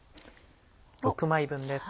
６枚分です。